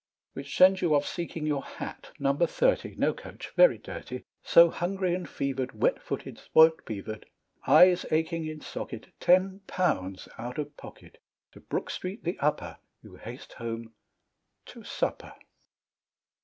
Which sends you off seeking Your hat, number thirty No coach very dirty. So hungry and fever'd Wet footed, spoilt beaver'd, Eyes aching in socket, Ten pounds out of pocket, To Brook Street the Upper You haste home to supper.